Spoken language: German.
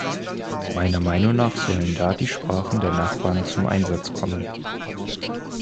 Meiner Meinung nach sollen da die Sprachen der Nachbarn zum Einsatz kommen.